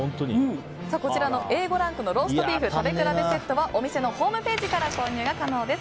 こちらのＡ５ランクのローストビーフ食べ比べセットはお店のホームページから購入可能です。